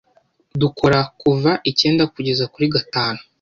Dukora kuva icyenda kugeza kuri gatanu.